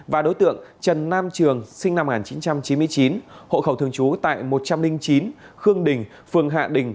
và đối tượng trần nam trường sinh năm một nghìn chín trăm chín mươi chín hộ khẩu thường trú tại một trăm linh chín khương đình phường hạ đình